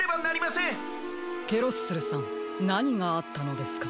ケロッスルさんなにがあったのですか？